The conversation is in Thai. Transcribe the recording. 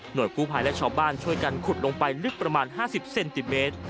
โดยกู้ภัยและชาวบ้านช่วยกันขุดลงไปลึกประมาณ๕๐เซนติเมตร